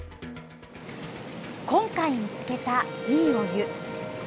今回見つけた、いいお湯。